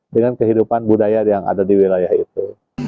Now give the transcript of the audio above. dengan kehidupan budaya yang ada di wilayah itu